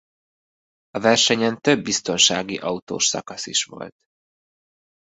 A versenyen több biztonsági autós szakasz is volt.